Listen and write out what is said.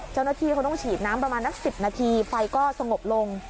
เจ้าหน้าที่เขาต้องฉีดน้ำประมาณนัก๑๐นาทีไฟก็สงบลง